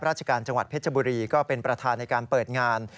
ราชการจังหวัดเพชรบุรีก็เป็นประธานในการเปิดงาน